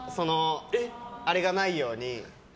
あれがないように。